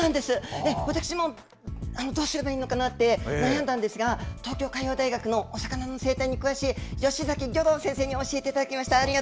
私もどうすればいいのかなって悩んだんですが、東京海洋大学のおさかなの生態に詳しい、よしざき先生に、教えていただきました。